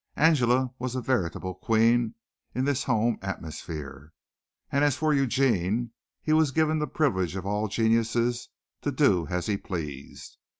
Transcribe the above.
Angela was a veritable queen in this home atmosphere; and as for Eugene, he was given the privilege of all geniuses to do as he pleased.